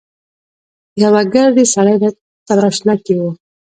يوه ګردي سړی تراشله کې و.